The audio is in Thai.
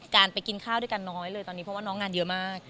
การไปกินข้าวด้วยกันน้อยเลยตอนนี้เพราะว่าน้องงานเยอะมาก